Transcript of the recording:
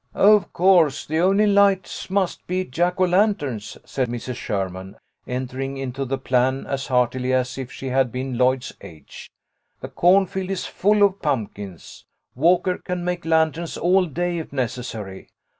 " Of course the only lights must be Jack o' lan terns," said Mrs. Sherman, entering into the plan as heartily as if she had been Lloyd's age. "The corn field is full of pumpkins. Walker can make lanterns all day if necessary.